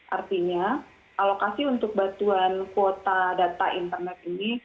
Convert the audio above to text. artinya alokasi untuk bantuan kuota data internet ini